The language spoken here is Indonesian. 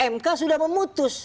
mk sudah memutus